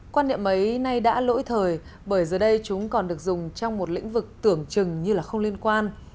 quan niệm ấy nay đã lỗi thời bởi giờ đây chúng còn được dùng trong một lĩnh vực tưởng chừng như là không liên quan